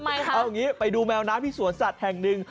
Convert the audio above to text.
ทำไมครับเอาอย่างงี้ไปดูแมวน้าที่สวนสัตย์แห่งหนึ่ง